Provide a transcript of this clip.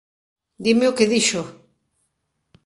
Dime o que dixo!